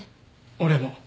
俺も。